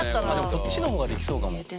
こっちの方ができそうかも。